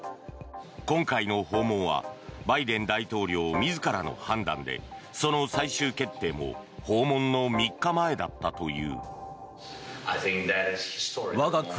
今回の訪問はバイデン大統領自らの判断でその最終決定も訪問の３日前だったという。